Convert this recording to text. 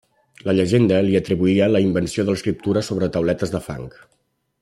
La llegenda li atribuïa la invenció de l'escriptura sobre tauletes de fang.